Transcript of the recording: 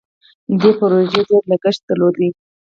دې پروژې ډیر لګښت درلود.